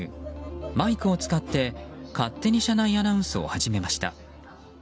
マイクを使って、勝手に車内アナウンスを始めました。